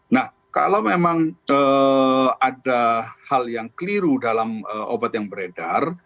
nah kalau memang ada hal yang keliru dalam obat yang beredar